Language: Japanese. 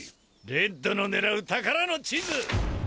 レッドのねらう宝の地図！